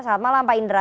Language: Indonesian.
selamat malam pak indra